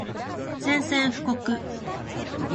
宣戦布告